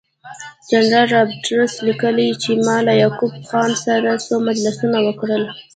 جنرال رابرټس لیکي چې ما له یعقوب خان سره څو مجلسونه وکړل.